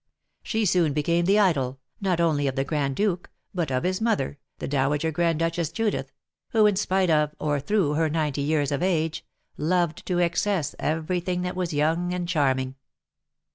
She soon became the idol, not only of the Grand Duke, but of his mother, the Dowager Grand Duchess Judith, who, in spite of, or through, her ninety years of age, loved to excess every thing that was young and charming.